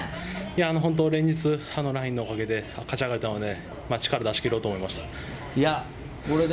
本当に連日、ラインのおかげで勝ち上がれたので、力を出し切ろうと思いました。